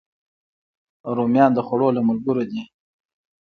رومیان د خوړو له ملګرو دي